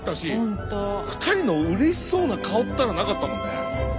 ２人のうれしそうな顔ったらなかったもんね。